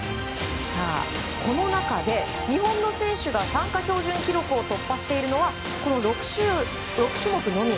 この中で日本の選手が参加標準記録を突破しているのはこの６種目のみ。